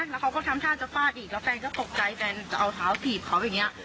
แล้วเขาก็ทำท่าจะฟาดอีกแล้วแฟนก็ตกใจแฟนจะเอาเท้าถีบเขาอย่างนี้